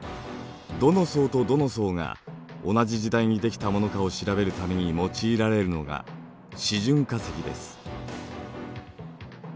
どの層とどの層が同じ時代にできたものかを調べるために用いられるのが示準化石です。